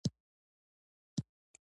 هغه په ډیره خوښۍ او خندا سره غږ وکړ